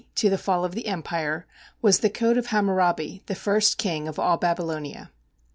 to the fall of the empire was the code of Hammurabi, the first king of all Babylonia.